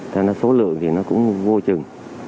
thế nên là số lượng thì nó cũng vô chừng